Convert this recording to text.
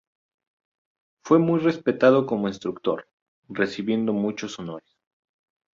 Fue muy respetado como instructor, recibiendo muchos honores.